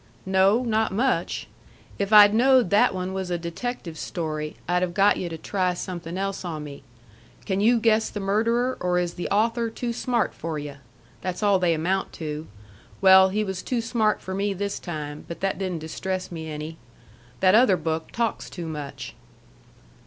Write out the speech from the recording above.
"No. Not much. If I'd knowed that one was a detective story, I'd have got yu' to try something else on me. Can you guess the murderer, or is the author too smart for yu'? That's all they amount to. Well, he was too smart for me this time, but that didn't distress me any. That other book talks too much."